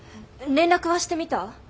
連絡はしてみた？